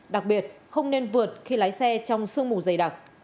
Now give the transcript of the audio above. đặc biệt không nên vượt khi lái xe trong sương mù dày đặc